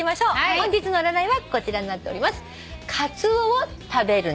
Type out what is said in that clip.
本日の占いはこちらになっております。